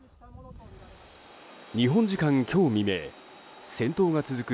日本時間今日未明戦闘が続く